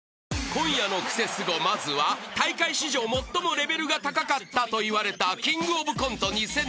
［今夜の『クセスゴ』まずは大会史上最もレベルが高かったといわれたキングオブコント２０２２